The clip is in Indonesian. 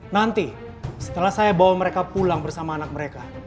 nanti setelah saya bawa mereka pulang bersama anak mereka